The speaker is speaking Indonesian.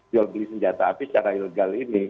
jual beli senjata api secara ilegal ini